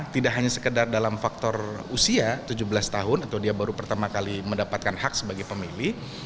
tidak hanya sekedar dalam faktor usia tujuh belas tahun atau dia baru pertama kali mendapatkan hak sebagai pemilih